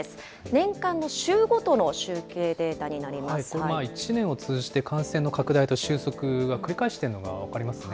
年間の週ごとの集計データになりこれ、１年を通じて感染の拡大と収束が繰り返しているのが分かりますね。